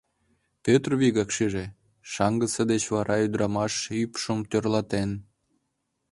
Пӧтыр вигак шиже: шаҥгысе деч вара ӱдырамаш ӱпшым тӧрлатен.